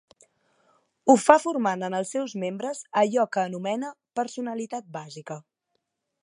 Ho fa formant en els seus membres allò que anomena "personalitat bàsica".